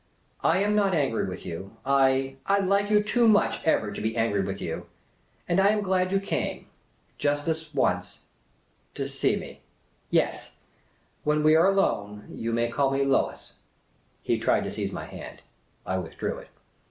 " I am not angry with you. I — I like you too much ever to be angry with you. And I am glad you came — just this once — to see me. ... Yes — when we are alone — you may call me Lois." He tried to seize my hand. I withdrew it.